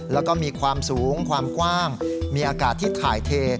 แล้วก็มีความสูงความกว้างมีอากาศที่ถ่ายเท